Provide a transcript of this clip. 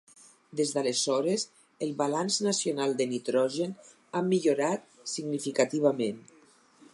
Des d'aleshores, el balanç nacional de nitrogen ha millorat significativament.